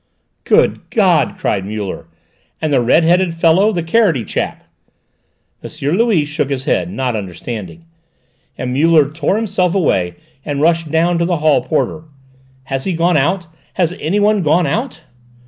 "Good God!" cried Muller; "and the red headed fellow: the carroty chap?" M. Louis shook his head, not understanding, and Muller tore himself away and rushed down to the hall porter. "Has he gone out? Has anyone gone out?"